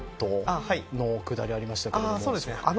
ああはいのくだりありましたけれどもああ